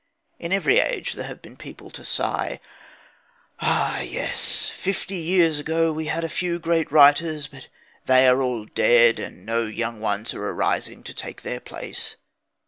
In every age there have been people to sigh: "Ah, yes. Fifty years ago we had a few great writers. But they are all dead, and no young ones are arising to take their place."